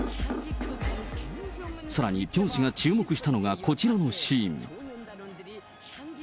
さらにピョン氏が注目したのがこちらのシーン。